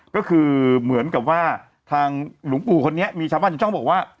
ก็คือเหมือนกับว่าทางหลวงปู่คนนี้มีชาวบ้านอยู่ช่องบอกว่า